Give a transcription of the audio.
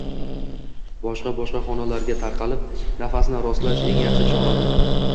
boshqa-boshqa xonalarga tarqalib, nafasni rostlash eng yaxshi choradir.